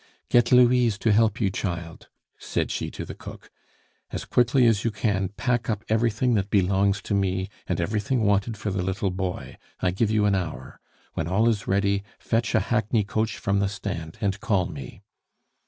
"Get Louise to help you, child," said she to the cook. "As quickly as you can, pack up everything that belongs to me and everything wanted for the little boy. I give you an hour. When all is ready, fetch a hackney coach from the stand, and call me.